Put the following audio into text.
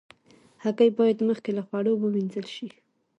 هګۍ باید مخکې له خوړلو وینځل شي.